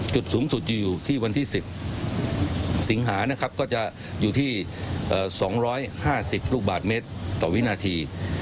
จุดสูงสุดจะอยู่ที่วันที่๑๐สิงหานะครับก็จะอยู่ที่๒๕๐ลูกบาทเมตรต่อวินาที